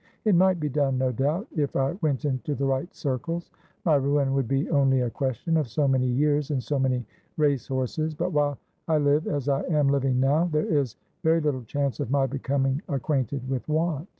It might be done, no doubt, if I went into the right circles. My ruin would be only a question of so many years and so many racehorses. But while I live as I am living now, there is very little chance of my becoming acquainted with want.'